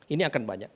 ini akan banyak